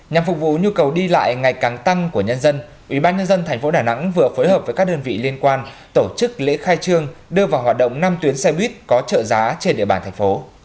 nhằm phục vụ nhu cầu đi lại ngày càng tăng của nhân dân ubnd tp đà nẵng vừa phối hợp với các đơn vị liên quan tổ chức lễ khai trương đưa vào hoạt động năm tuyến xe buýt có trợ giá trên địa bàn thành phố